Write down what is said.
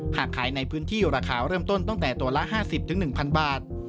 หากขายในพื้นที่ราคาเริ่มต้นตั้งแต่ตัวละ๕๐๑๐๐บาท